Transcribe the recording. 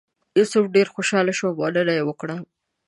یوسف ډېر خوشاله شو او مننه یې وکړه.